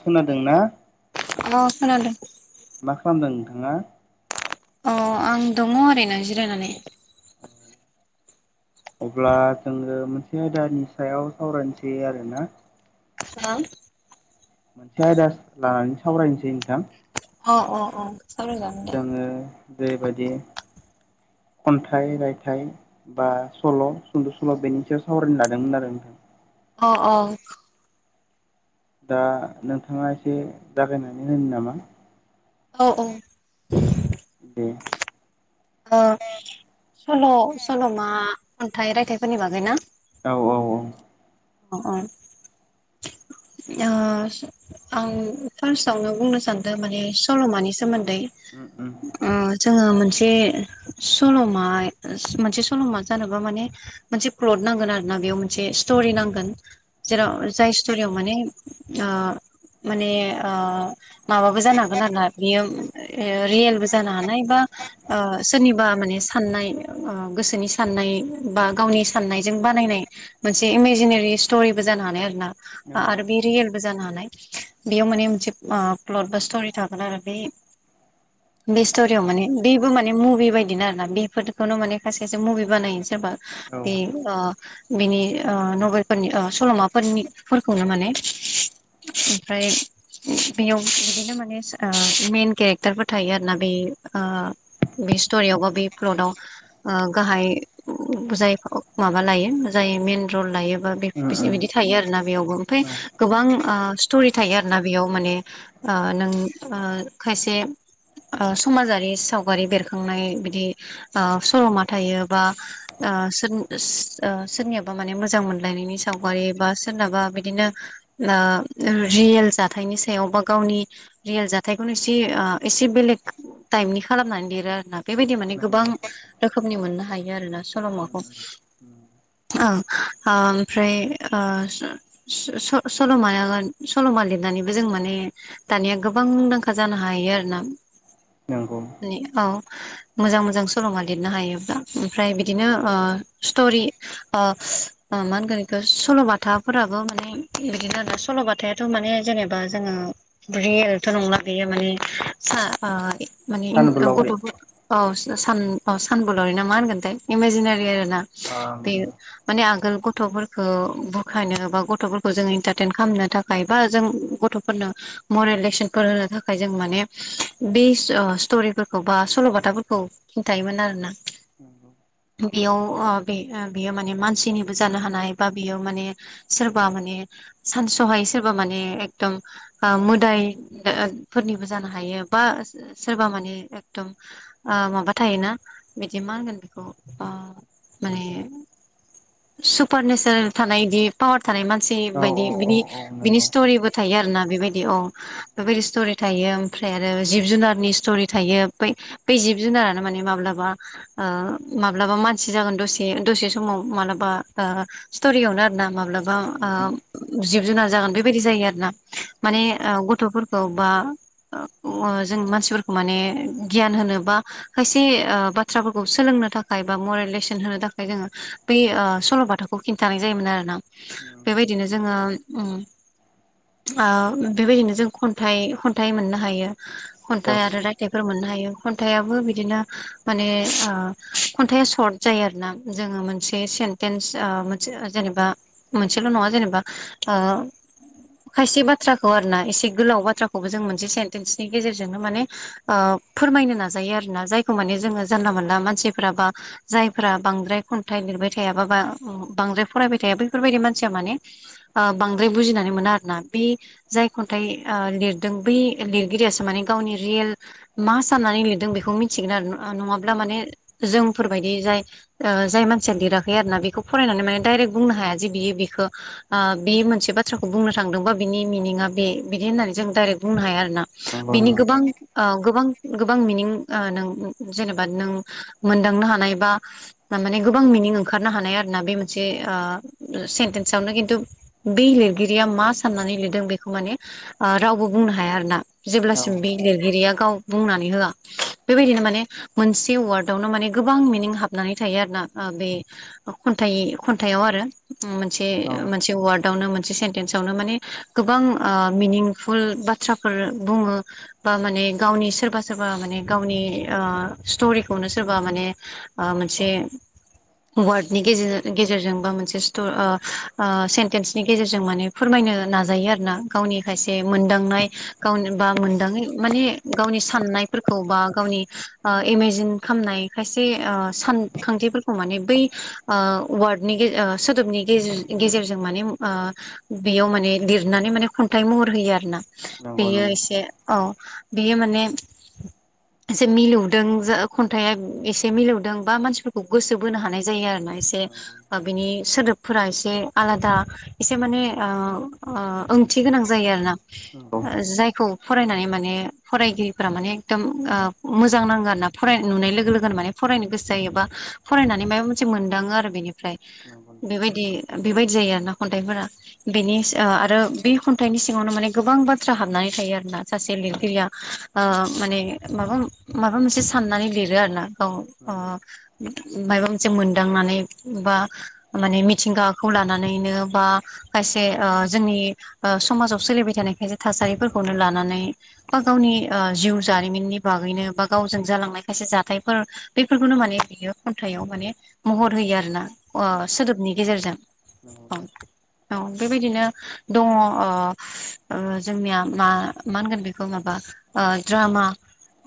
खोनादोंना हेलौ खोनादों। मा खालामदों नोंथाङा? अ आं दङ ओरैनो जिरायनानै। अब्ला जोङो मोनसे आयदानि सायाव सावरायनोसै आरोना। [unintelligible] मोनसे आयदा लानानै सावरायनोसै नोंथां। अ अ अ जागोन दे। जोङो जेरैबायदि खन्थाइ रायथाइ। बा सल' सुंद' सल' बेनि सायाव सावरायनो लादोंमोन आरो नोंथां। अ अ। दा नोंथाङा एसे जागायनानै होनो नामा। औ औ। उम। ओ सल' सल'मा अन्थाइ रायथाइफोरनि बागै ना? औ औ। औ औ। अ अ। ओ आं फार्स्टआवनो बुंनो सान्दों माने सल'मानि सोमोन्दै। उम उम। ओ जोङो मोनसे सल'मा मोनसे सल'मा जानोबा माने। मोनसे क्लद नांगोन आरोना बेयाव मोनसे स्टरि नांगोन। जेराव जाय स्ट'रियाव माने आ माने आ माबाबो जानो हागोन आरोना बियो रियेलबो जानो हानाय बा ओ सोरनिबा मानेस साननाय आ गोसोनि साननाय बा गावनि साननायजों बानायनाय मोनसे इमेजिनेरि स्ट'रिबो जानो हानाय आरोना औ आरो बे रियेलबो जानो हानाय बेयाव माने मोनसे आ प्लट बा स्ट'रि थागोन आरो बे [inaudible] बे स्ट'रियाव माने बेबो माने मुभि बायदिना आर ना बेफोरखौनो माने खासेयासो मुभि बानायो सोरबा औ बे ओ बिनि नभेलफोरनि सल'माफोरनिफोरखौनो माने [inaudible] ओमफ्राय बेयाव बिदिनो माने मइेन केरेक्टारफोर थायो आरोना बे बे स्ट'रियावबो बे फ्लदआव आं गाहाय जाय माबा लायो जाय मेन रल लायो। बे उम उम बेसोरबायदि थायो आरोना बेयावबो ओमफ्राय औ गोबां ओ स्टरि थायो आरोना बेयाव माने ओ नों ओ खायसे ओ समाजारि सावगारि बेरखांनाय बिदि आं सल'मा थायो बा ओ सोद-सो-सो-सोरनियाबा माने मोजां मोनलायनायनि सावगारि बा सोरनाबा बिदिनो रियेल जाथायनि सायाव बा गावनि रियेल जाथायखौनो एसे एसे बेलेग टाइपनि खालामनानै दिरो आरो ना बेबायदि माने गोबां नंगौ रोखोमनि मोननो हायो आरोना उम सल'माखौ उम ओ औ ओमफ्राय ओ स-स सल'माया सल'मा लिरनानैबो जों माने दानिया गोबांदांखा जानो हायो आरो ना नंगौ मे औ मोजां मोजां सल'मा लिरनो हायोब्ला ओमफ्राय बिदिनो स्टरि मा होनगोन बेख सल'बाथाफोराबो माने बिदिनो आरो दा सल'बथायाथ' माने जेनेबा जोङो [unintelligible] ' नंला गैयो माने माने सानबोलावरि गथ'फोर औ सान औ सानबोलावरि ना मा होनगोनथाय इमेजिनारि आरो ना आ बे नंगौ माने आगोल गथ'फोरखौ बुरखायनो एबा गथ'फोरखौ खौ जों इन्टारटेन खालामनो थाखाय बा जों गथ'फोरनो मरेल लेसनफोर होनो थाखाय जों माने बे स्ट'रिफोरखौ बा सल'बाथाफोरखौ खिन्थायायोमोन आरो ना बेयाव बे बेयो माने मानसिनिबो जानो हानाय बा बियो माने सोरबा माने सानसहाय सोरबा माने एकदम मोदाय फोरनिबो जानो हायो बा सोरबा मानिे एकदम माबा थायोना बिदि मा होनगोन बेखौ माने सुपार नेचारेल थानाय बिदि पावार थानाय मानसि औ बायदि औ बिदि औ बिनि नंगौ स्ट'रिबो थायो आरो ना बेबायदि औ बेबायदि स्टरि थायो ओमफ्राय आरो जिब जुनारनि स्ट'रि थायो बै बे जिब जुनारानो माने माब्लाबा माब्लाबा मानसि जागोन दसे दसे समाव माब्लाबा ओ स्ट'रियावनो आरोना माब्लाबा नंगौ जिब जुनार जागोन बेबायदि जायो आरो ना माने औ गथ'फोरखौ बा जों मानसिफोरखौ माने गियान होनो बा खायसे बाथ्राफोरखौ ओ सोलोंनो थाखाय बा मरेल लेसन होनो थाखाय जोङो बे ओ सल'बाथाखौ खिन्थानाय जायोमोन आरोना नंगौ बेबायदिनो जोङो उम बेबायदिनो जों खन्थाइ खन्थाइ मोननो हायो नंगौ औ खन्थाइ आरो रायथाइफोर मोननो हायो खन्थाइाबो बिदिनो माने ओ खन्थाइा सर्ट जायो आरो ना जोङो मोनसे सेन्टेन्स मोनसे जेनेबा एसेल' नङा जेनेबा ओ खायसे बाथ्राखौ आरो ना एसे गोलाव बाथ्राखौबो जों मोनसे सेन्टेन्सनि गेजेरजोंनो माने फोरमायनो नाजायो आरोना जायखौ माने जोङो जानला मोनानला मानसिफ्राबा जायफोरा बांद्राय खन्थाइ लिरबाय थायााबा बा बांद्राय फरायबाय थाया बेफोरबायदि मानसिया माने ओ बांद्राय बुजिनानै मोना आरो ना बे जाय खन्थाइ लिरदों बै लिरगिरियासो माने गावनि रियेल मा साननानै लिरदों बेखौ मिथिगोन आरो नङाब्ला माने जोंफोरबायदि जाय जाय मानसिया लिराखै आरोना बेखौ फरायनानै माने दडायरेक्ट बुंनो हाया जे बियो बे ओ बे मोनसे बाथ्राखौ बुंनो थांदोंबा बिनि मिनिंआ बे बिदि होननानै जों डाइरेक बुंनो हाया आरो ना नंगौ बिनि नंगौ गोबां ओ गोबां गोबां मिनिं नों जेनेबा नों मोनदांनो हानाय बा माने गोबां मिनिं ओंखारनो हानाय आरोना बे मोनसे सेन सयावनो खिन्थु बे लिरगिरिया मा साननानै लिरदों बेखौ माने रावबो बुंनो हाया आरो ना नंगौ नंगौ जेब्लासिम बे लिर एिरिया गाव बुंनानै होआ बेबायदिनो माने मोनसे वार्डआवनो माने गोबां मिनिं हाबनानै थायो आरो ना बे खन्थाइ खन्थाइाव आरो मोनसे मोनसे वार्ड नो मोनसे सेन्टेन्स आावनो माने गोबां ओ मिनिंफुल बाथ्राफोर बुङो ओ माने गावनि सोरबा सोरबा माने गावनि ओ स्टरिखौनो सोरबा माने ओ मोनसे वार्डनि गेजेर गेजेरजों बा मोनसे स्टिर ओ ओ सेन्टेन्सनि गेजेरजों माने फोरमायनो नाजायो आर ना गावनि खायसे मोनदांनाय गाव बा मोनदाङै माने गावनि साननायफोरखौ बा गावनि इमेजिन खालामनाय खायसे ओ सानखांथिफोरखौ माने बै ओ वार्डनि सोदोबनि गेजे गेजेरजों माने ओ बेयाव माने लिरनानै माने खन्थाइ महर होयो आरोना। नंगौ बियो एसे अ बियो माने [inaudible] एसे मिलौदों जो खन्थाइया एसे मिलौदों बा मानसिफोरखौ गोसो बोनो हानाय जायो आरो ना एसे। ओ बिनि सोदोब फोरा एसे आलादा एसे माने ओ ओ ओंथि गोनां जायो आरोना। ओ जायखौ फरायनानै माने फरायगिरिफोरा माने एखदम ओ मोजां नांगो आरोना फराय नुनाय लोगो लोगोनो माने फरायनो गोसो जायो बा फरायनानै माबा मोनसे मोनदाङो आरो बेनिफ्राय। बेबायदि बेबायदि जायो आरो ना खन्थाइफोरा। बेनि ओ आरो बे खन्थाइनि सिङावनो माने गोबां बाथ्रा हाबनानै थायो आरोना सासे लिरगिरिया ओ माने माबा माबा मोनसे साननानै लिरो आरोना। औ ओ नंगौ मायबा मोनसे मोनदांनानै बा माने मिथिंगाखौ लानानैनो बा खायसे ओ जोंनि ओ समाजाव सोलिबाय थानाय खायसे थासारिफोरखौनो लानानै बा गावनि ओ जिउ जारिमिननि बागैनो बा गावजों जालांनाय खायसे जाथायफोर बेफोरखौनो माने बियो खन्थाइयाव माने महर होयो आरोना। [inaudible] [unintelligible] नि गेजेरजों औ औ बेबायदिनो दङ ओ ओ जोंनिया मा मा होनगोन बेखौ माबा ओ द्रामा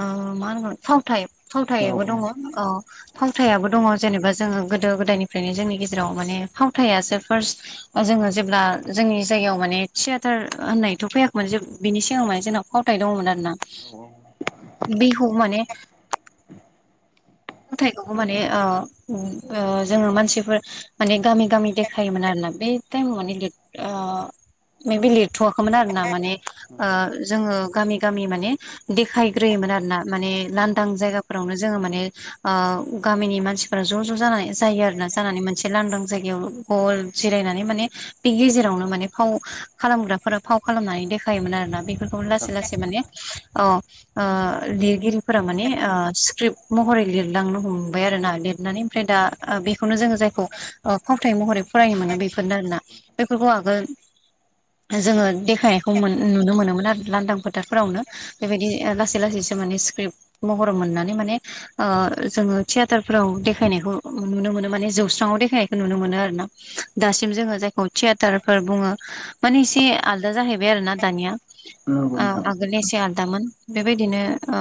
ओ मा होनगोन फावथाय। फावथायबो दङ औ फावथायाबो दङ जेनेबा जोङो गोदो गोदायनिफ्रायनो जोंनि गे जेराव माने फावथायासो फार्स्ट जोङो जेब्ला जोंनि जायगायाव माने थियेटार होननायथ' फैयाखैमोन जे बिनि सिगां माने जोंनाव फावथाय दंमोन आरो ना। औ। बिहु माने खुंथाइखौबो माने ओ उम ओ जोङो मानसिफोर माने गामि गामि देखायोमोन आरो ना बे टाइमाव माने ले ओ मे बेे लिरथ'वाखैमोन आरोना माने ओ नंगौ औ नंगौ जोङो गामि गामि माने देखायग्रोयोमोन आरोना माने लांदां जायगाफोरावनो जोङो माने ओ गामिनि मानसिफोरा ज' ज' जानाय जायो आरोना जानानै मोनसे लांदां जायगायाव गल जिरायनानै माने बेनि गेजेरावनो माने फाव खालामग्राफोरा फाव खालामनानै देखायोमोन आरोना। बेफोरखौ नोंथां लासै लासै माने औ अ ओ लिरगिरिफोरा माने ओ स्क्रिप्ट महरै लिरलांनो हमबाय आरोना लिरनानै ओमफ्राय दा बेखौनो जोङो जायखौ ओ फावथाय महरै फरायनो मोनो बेफोरनो आरोना नंगौ बेफोरखौ आगोल जोङो देखायनायखौ मोन नुनो मोनोमोन आरो लांदां फोथारफोरावनो। बेबायदि लासै लासैसो माने स्क्रिप्ट महर मोननानै माने ओ जोङो थियेटारफोराव देखायनायखौ नुनो मोनो माने जौस्राङाव देखायनायखौ नुनो मोनो आरो ना। दासिम जोङो जायखौ थियेटारफोर बुङो। माने इसे आलदा जाहैबाय आरोना दानिया। औ नोंथां आगोलनिया एसे आलदामोन बेबायदिनो ओ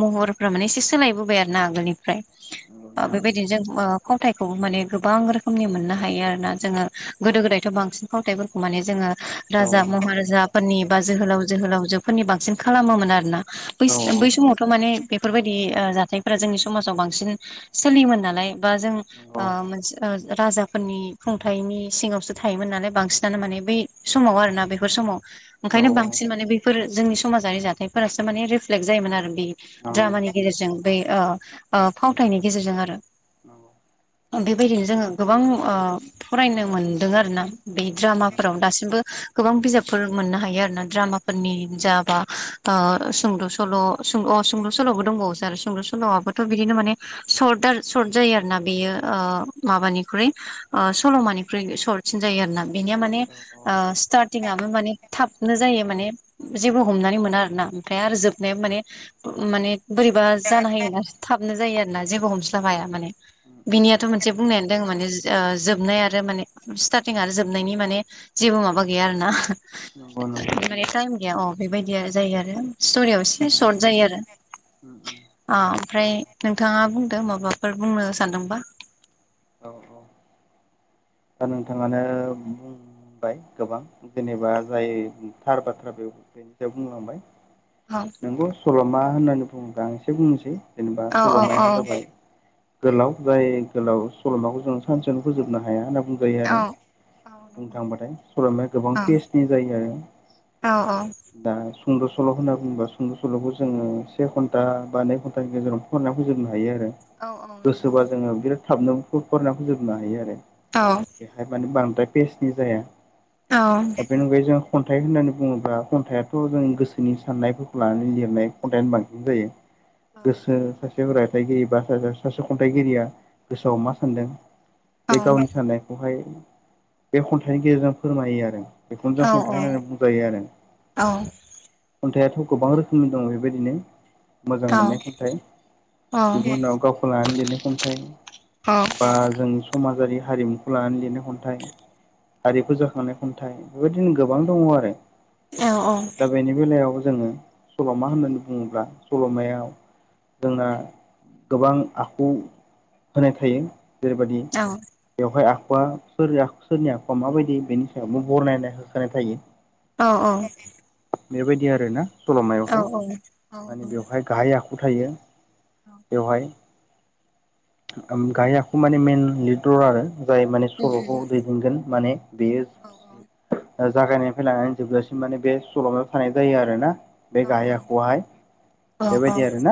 महरफोरा माने एसे सोलायबोबाय आरो ना आगोलनिफ्राय। नंगौ ओ नोंथां बेबायदिनो जों ओ फावथायखौ माने गोबां रोखोमनि मोननो हायो आरो ना जोङो। गोदो गोदायथ' बांसिन फावथायफोरखौ माने जोङो औ राजा महाराजाफोरनि बा जोहोलाव जोहोलावजो फोरनि बांसिन खालामोमोन आरोना बैस औ बै समावथ' माने बेफोरबायदि ओ जाथायफोरा जोंनि समाजाव बांसिन सोलियोमोन नालाय बा जों नंगौ ओ मोन ओ राजाफोरनि खुंथायनि सिंङावसो थायोमोन नालाय बांसिनानो माने बै समाव आरोना बेफोर समाव। औ ओंखायनो बांसिन माने बेफोर जोंनि समाजारि जाथायफोरासो माने रिफ्लेक्ट जायोमोन आरो बे नंगौ द्रामानि गेजेरजों ब फावथायनि गेजेरजों आरो। औ। बेबायदिनो जोङो गोबां ओ फरायनो मोनदों आरो ना बे नंगौ औ औ द्रामाफोराव दासिमबो गोबां बिजाबफोर मोननो हायो आरो ना द्रामा। नि जाबा सुंद' सल' सुंद' सल'। दंबावो आरो सुंद' सल'आबोथ' बिदिनो माने सर्ट आरो सर्ट जायो आरो ना बेयो माबानिख्रु सल'मानिख्रुइ सर्ट साबसिन जायो आरो ना बेनिया माने स्टारटिं आबो माने थाबनो जायो माने जेबो हमनानै मोना आरो ना ओमफ्राय आरो जोबनाया माने माने बोरैबा जानो हायो ना थाबनो जायो आरोना जेबो हमस्लाब हाया माने बिनियाथ' मोनसे बुंनायानो दङ माने जोबनाय आरो माने स्टार्टिं आरो जोबनायनि माने जेबो माबा गैया आरो ना। नंगौ नंगौ। टाइम गैया अ बेबायदिया जायो आरो स्ट'रियाव एसे सर्ट जायो आरो। उम उ [inaudible] अ ओमफ्राय नोंथाङा बुंदों माबाफोर बुंनो सानदोंबा? औ औ दा नोंथाङानो बुं बुंबाय गोबां जेनेबा जाय थार बाथ्रा बे बेनि सायाव बुंलांबाय। औ। नोंगौ सल'मा होननानै बुङोब्ला आं एसे बुंनोसै जेनेबा औ औ सल'माया जाबाय गोलाव जाय गोलाव सल'माखौ जों सानसेयावनो फोजोबनो हाया होनना बुंजायो औ आरो। औ बुंनो नंगौ थांबाथाय सल'माया गोबां औ पेेजनि जायो आरो। औ औ। दा सुंद' सल' होनना बुङोबा सुंद' सल'खौ जोङो से घन्टा बा नै घन्टानि गेजेराव फरायनायखौ जोबनो हायो आरो औ औ नंगौ गोसोबा जोङो बिराद थाबनो फरायनायखौ जोबनो हायो आरो। औ। बेहाय माने बांद्राय पेस्नि जाया। औ। दा बे अनगायै जों खन्थाइ होननानै बुङोब्ला खन्थाइआथ' जों गोसोनि साननायफोरखौ लानानै लिरनाय। कन्टेन्ट बांसिन जायो। औ गोसो सासे रायथाइगिरि बा सासे खन्थाइगिरिया गोसोआव मा सानदों बे गावनि साननायखौहाय बे खन्थाइनि गेजेरजों फोरमायो आरो। बेखौनो जों औ खन्थाय होननानै बुंजायो आरो। खन्थाइाथ' गोबां रोखोमनि दङ बेबायदिनो मोजां मोननाय खन्थाइ बिनि उनाव गावखौ लानानै लिरनाय खन्थाइ। बा जों समाजारि हारिमुखौ लानानै लिरनाय खन्थाइ। हारिखु जाखांनाय खन्थाइ बेबायदिनो गोबां दङ आरो। औ औ। दा बेनि बेलायाव जोङो सल'मा होननानै बुङोब्ला सल'मायाव जोंना गोबां आखु होनाय थायो जेरैबायदि औ। बेवहाय आखुआ सोरनि आखुवा माबायदि बेनि सायावबो बरनायनाय होखाय थायो। औ औ। बेबायदि आरोना सल'मायावहाय माने बेवहाय गाहाय आखु थायो बेवहाय। गाय आखु माने मइेन लिडर आरो जाय माने औ सल'खौ दैदेनगोन माने बेयो औ औ जागायनायनिफ्राय लानानै जोबजासिम माने बे सल'मायाव थानाय जायो आरो ना? बे औ गाहाय आखुयाहाय बेबायदि आरोना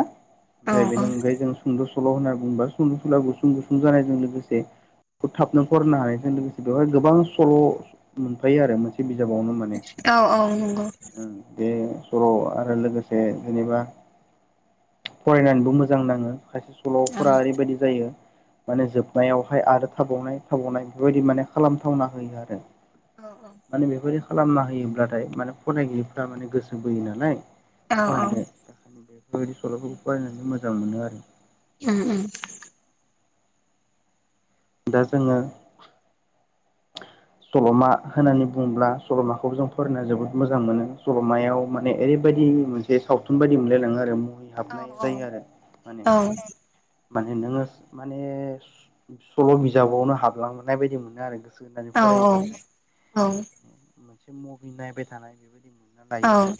औ ओमफ्राय औ बेनि अनगायै जों सुंद' सल' होनना बुंङोबा सुंद' सल' गुसुं गुसुं जानायजों लोगोसे थाबनो फरायनो हानायजों लोगोसे बेवहाय गोबां सल' मोनफायो आरो मोनसे बिजाबावनो। माने, औ नंगौ उम बे सल' आरो लोगोसे जेनेबा फरायनानैबो मोजां नाङो खायसे सल'फोरा ओरैबायदि जायो। माने जोबनायावहाय आरो थाबावनाय थाबावनाय बेफोरबायदि माने खालामथावना होयो आरो। औ औ। माने बेबायदि खालामना होयोब्लाथाय माने फरायगिरिफ्रा माने गोसो बोयो नालाय। औ औ फरायनो बेफोरबायदि सल'फोरखौ फरायनानै मोजां मोनो आरो। उ उ। दा जोङो सल'मा होननानै बुङोब्ला सल'माखौ जों फोरनो जोबोद मोजां मोनो, सल'मायाव माने ओरैबायदि मोनसे जे सावथुन बायदि मोनलायलाङो आरो मुहै औ हाबनाय औ औ जायो आरो औ माने। औ माने नोङो माने सल' बिजाबावनो हाबलांनाय बायदि मोनो आरो गोसो होनानै फरायोब्ला उम [inaudible] मोनसे महिनायबाय थानाय बेबायदि मोनो। लायो आरो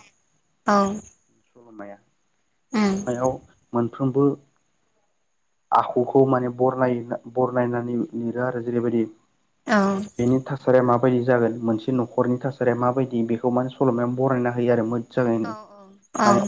[inaudible] सल'माया [inaudible] सल'मायाव मोन साफ्रोमबो आखुखौ माने बरनाय बरनायनानै लिरो आरो जेरैबायदि औ। बेनि थासारिया माबायदि जागोन मोनसे न'खरनि थासारिया माबायदि बेखौ माने सल'मायाायाव बरायना होयो आरो, मो औ औ औ।